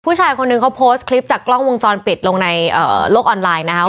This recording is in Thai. ผู้ชายคนหนึ่งเขาโพสต์คลิปจากกล้องวงจรปิดลงในโลกออนไลน์นะครับ